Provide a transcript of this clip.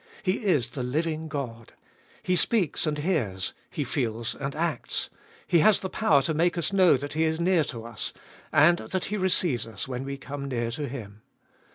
He is the living God! He speaks and hears. He feels and acts. He has the power to make us know that He is near to us, and that He receives us when we come near to Him.